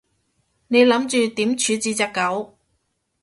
你諗住點處置隻狗？